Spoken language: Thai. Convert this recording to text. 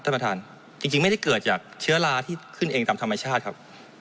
ท่านประธานจริงไม่ได้เกิดจากเชื้อราที่ขึ้นเองตามธรรมชาติครับ